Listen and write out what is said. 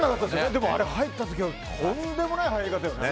でも、あれ入った時はとんでもない入り方よね。